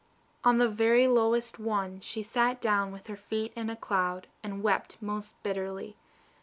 On the very lowest one she sat down with her feet in a cloud, and wept most bitterly.